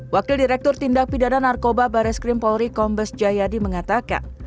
wakil direktur tindak pidana narkoba bares krim polri kombes jayadi mengatakan